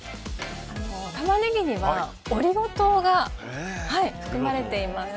タマネギにはオリゴ糖が含まれています。